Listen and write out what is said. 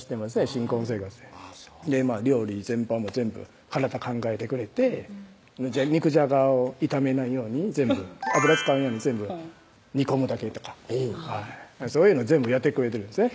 新婚生活料理全般も全部体考えてくれて肉じゃがを炒めないように全部油使わないように全部煮込むだけとかそういうのを全部やってくれてるんですね